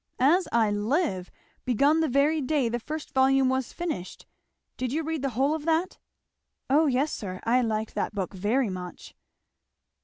As I live, begun the very day the first volume was finished, did you read the whole of that?" "O yes, sir. I liked that book very much."